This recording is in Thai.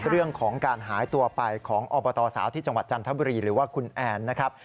เรื่องของการหายตัวไปของอบตสาวที่จังหวัดจันทบุรีหรือว่าคุณแอนนะครับ